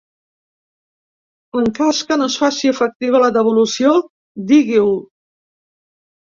En cas que no es faci efectiva la devolució digui-ho.